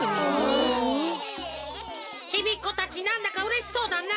ちびっこたちなんだかうれしそうだなあ。